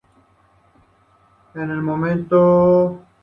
En el momento de la inauguración Guido Di Tella era el canciller argentino.